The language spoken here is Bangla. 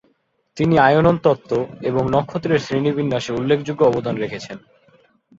তিনি আয়নন তত্ত্ব এবং নক্ষত্রের শ্রেণিবিন্যাসে উল্লেখযোগ্য অবদান রেখেছেন।